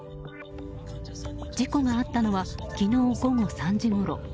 事故があったのは昨日午後３時ごろ。